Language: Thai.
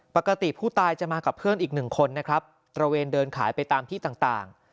ปกติผู้ตายจะมากับเพื่อนอีกหนึ่งคนนะครับตระเวนเดินขายไปตามที่ต่าง